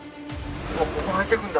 ここ入ってくんだ。